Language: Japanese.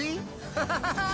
ハハハッ！